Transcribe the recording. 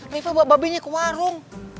mifel bawa babinya ke warung